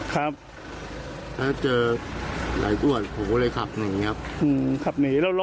เขาปวดจนมาครับ